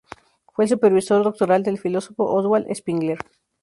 Fue el supervisor doctoral del filósofo Oswald Spengler.